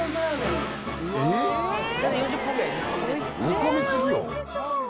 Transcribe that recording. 煮込みすぎよ！